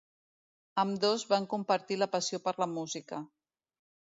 Ambdós van compartir la passió per la música.